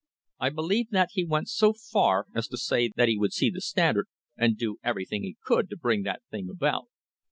I believe that he went so far as to say that he would see the Standard, and do everything he could to bring that thing about.